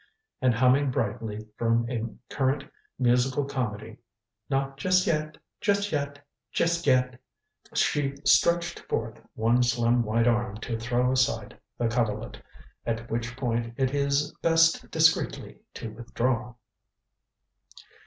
And humming brightly from a current musical comedy "Not just yet just yet just yet " she stretched forth one slim white arm to throw aside the coverlet. At which point it is best discreetly to withdraw.